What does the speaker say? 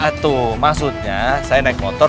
a tuh maksudnya saya naik motor